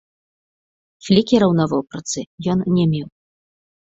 Флікераў на вопратцы ён не меў.